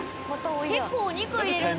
結構お肉入れるんだ。